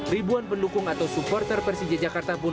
ribuan pendukung atau supporter persija jakarta pun